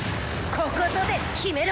ここぞで決めろ。